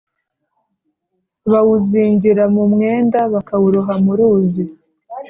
bawuzingira mu mwenda bakawuroha mu ruzi